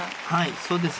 そうですね